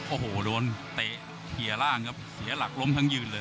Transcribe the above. โอ้โหโดนเตะเคลียร์ร่างครับเสียหลักล้มทั้งยืนเลย